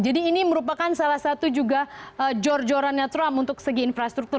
jadi ini merupakan salah satu juga jorjorannya trump untuk segi infrastruktur